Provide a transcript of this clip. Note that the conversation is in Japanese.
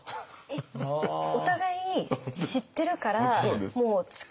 えっお互い知ってるからもう力。